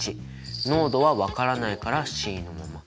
濃度はわからないからｃのまま。